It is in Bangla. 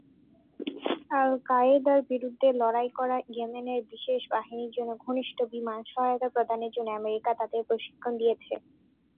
আল কায়েদার বিরুদ্ধে লড়াই করা ইয়েমেনের বিশেষ বাহিনীর জন্য ঘনিষ্ঠ বিমান সহায়তা প্রদানের জন্য আমেরিকা তাদের প্রশিক্ষণ দিয়েছে।